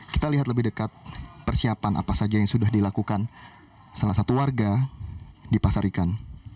kita lihat lebih dekat persiapan apa saja yang sudah dilakukan salah satu warga di pasar ikan